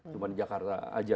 cuma di jakarta saja